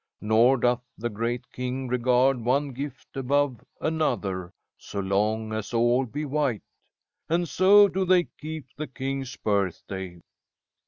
Nor doth the great king regard one gift above another, so long as all be white. And so do they keep the king's birthday.'"